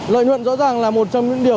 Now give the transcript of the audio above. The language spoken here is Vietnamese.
lợi nhuận rõ ràng là một trong những điều